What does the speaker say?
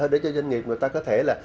để cho doanh nghiệp người ta có thể là